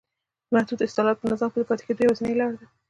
محدود اصلاحات په نظام کې د پاتې کېدو یوازینۍ لار ده.